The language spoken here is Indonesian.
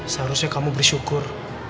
seharusnya kamu bersyukur